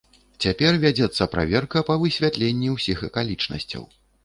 Цяпер вядзецца праверка па высвятленні ўсіх акалічнасцяў.